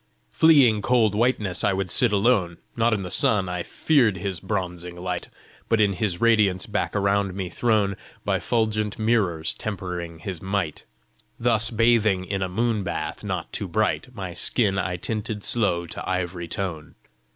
"Fleeing cold whiteness, I would sit alone Not in the sun I feared his bronzing light, But in his radiance back around me thrown By fulgent mirrors tempering his might; Thus bathing in a moon bath not too bright, My skin I tinted slow to ivory tone.